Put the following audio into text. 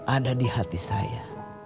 ada di hati saya